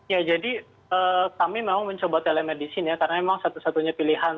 ya jadi kami memang mencoba telemedicine ya karena memang satu satunya pilihan